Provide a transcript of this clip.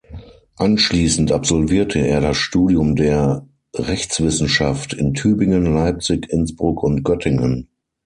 Anschließend absolvierte er das Studium der Rechtswissenschaft in Tübingen, Leipzig, Innsbruck und Göttingen.